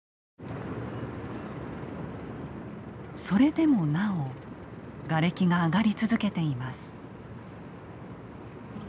それでもなおガレキが揚がり続けています。